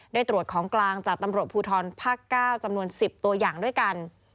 ได้ตรวจของกลางจากตำรวจภูทรภาค๙จำนวน๑๐ตัวอย่างด้วยกัน